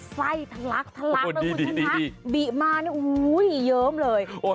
ใส่ทะลักแล้วคุณทุ่มนักบิะมานี่โอ้ยเยิมเลย